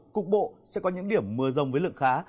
cục bộ sẽ có những điểm mưa rông với lượng khá